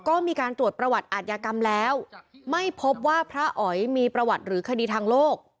ก็มีการตรวจประวัติอาทยากรรมแล้วไม่พบว่าพระอ๋อยมีประวัติหรือคดีทางโลก